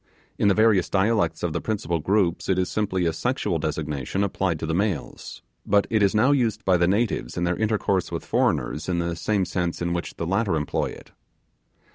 In the various dialects of the principal groups it is simply a sexual designation applied to the males; but it is now used by the natives in their intercourse with foreigners in the same sense in which the latter employ it.